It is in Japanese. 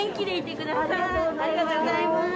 ありがとうございます。